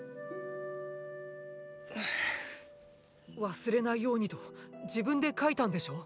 忘れないようにと自分で書いたんでしょう？